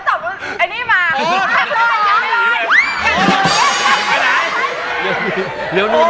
เขาบอกว่าสมมติอันนี้มา